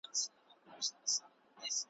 په دواړو شعرونو کي ,